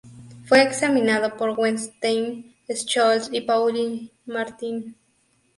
Fue examinado por Wettstein, Scholz y Paulin Martin.